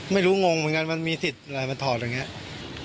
ไม่รู้งงเหมือนกันมันมีสิทธิ์อะไรมาถอดอะไรอย่างเนี้ย